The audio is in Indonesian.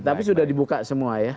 tapi sudah dibuka semua ya